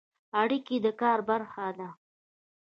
اړیکې د کار برخه ده